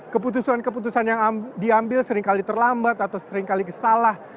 keputusan keputusan yang diambil seringkali terlambat atau seringkali salah